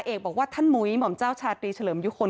เอกบอกว่าท่านมุ้ยหม่อมเจ้าชาตรีเฉลิมยุคล